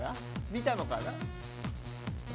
見たのかな？